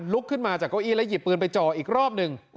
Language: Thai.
ลุกขึ้นมาจากเก้าอี้แล้วหยิบปืนไปจ่ออีกรอบหนึ่ง